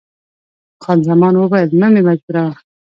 خان زمان وویل، مه مې مجبوروه.